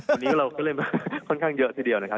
วันนี้เราก็เล่นมาค่อนข้างเยอะทีเดียวนะครับ